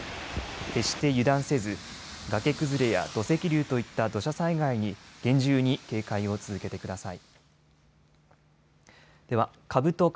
決して油断せず崖崩れや土石流といった土砂災害に厳重に警戒を続けてください。